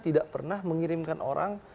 tidak pernah mengirimkan orang